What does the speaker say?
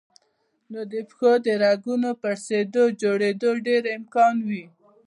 نو د پښو د رګونو پړسېدو جوړېدو ډېر امکان وي